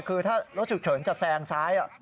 คือถ้ารถฉุกเฉินจะแซงซ้าย